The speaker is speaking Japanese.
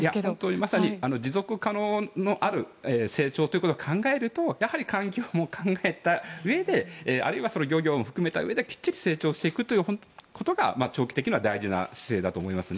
まさに持続可能のある成長ということを考えると環境も考えたうえであるいは漁業も含めたうえできっちり成長していくことが長期的には大事な姿勢だと思いますね。